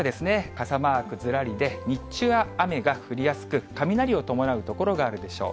傘マークずらりで、日中は雨が降りやすく、雷を伴う所があるでしょう。